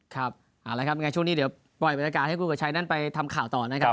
ครับเอาละครับยังไงช่วงนี้เดี๋ยวปล่อยบรรยากาศให้คุณประชัยนั้นไปทำข่าวต่อนะครับ